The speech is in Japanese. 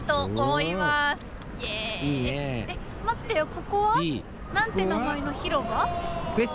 ここは何て名前の広場？